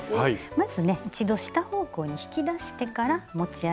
まずね一度下方向に引き出してから持ち上げると。